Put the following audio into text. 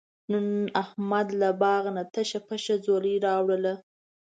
نن احمد له باغ نه تشه پشه ځولۍ راوړله.